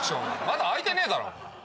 まだ開いてねえだろお前。